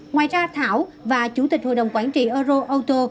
ngoài ra thảo và chủ tịch hội đồng quản trị euro auto